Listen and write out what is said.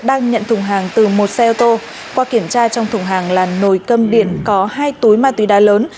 đang nhận thùng hàng từ một xe ô tô qua kiểm tra trong thùng hàng là nồi cơm biển có hai túi ma túy đá lớn